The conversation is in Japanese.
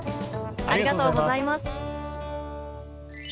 ありがとうございます。